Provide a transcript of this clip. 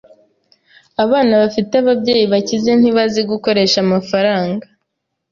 Abana bafite ababyeyi bakize ntibazi gukoresha amafaranga.